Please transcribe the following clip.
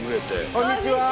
こんにちは。